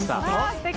すてき。